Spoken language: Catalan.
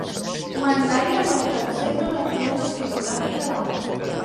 M'enlairi amb el que em sembla una ploma estilogràfica a la mà.